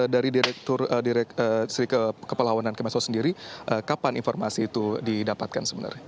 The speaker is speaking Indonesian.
dari direktur kepala awanan kementerian sosial republik indonesia sendiri kapan informasi itu didapatkan sebenarnya